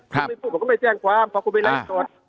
ถ้าคุณไม่พูดผมก็ไม่แจ้งความเพราะคุณไปไล่ส่วน